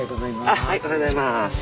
おはようございます。